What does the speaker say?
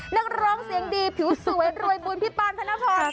นักร้องเสียงดีผิวสวยรวยบุญพี่ปานธนพร